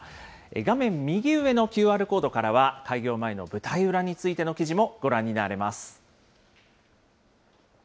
画面右上のＱＲコードからは、開業前の舞台裏についての記事もご覧になれます。